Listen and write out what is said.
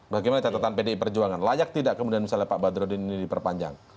bagaimana catatan pdi perjuangan layak tidak kemudian misalnya pak badrodin ini diperpanjang